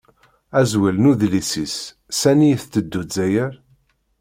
Azwel n udlis-is: Sani i tetteddu Zzayer?